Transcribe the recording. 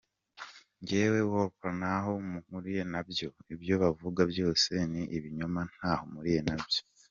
Njyewe Wolper ntaho mpuriye nabyo… ibyo bavuga byose ni ibinyoma ntaho mpuriye nabyo.